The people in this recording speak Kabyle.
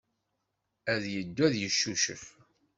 Ad yeddu ad yeccucef.